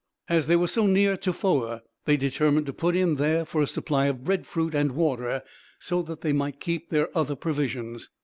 As they were so near Tofoa they determined to put in there for a supply of breadfruit and water, so that they might keep their other provisions.